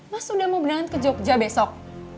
mas sudah mau berangkat ke jogja besok